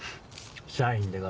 社員でか？